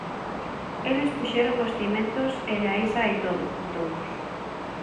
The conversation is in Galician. Eles puxeron os cimentos e de aí sae todo, contounos.